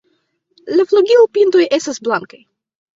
La flugilpintoj estas blankaj.